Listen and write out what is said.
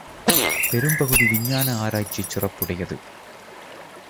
பெரும் பகுதி விஞ்ஞான ஆராய்ச்சிச் சிறப்புடையது.